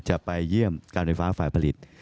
จะไปเยี่ยมการไฟฟ้าฝ่ายผลิต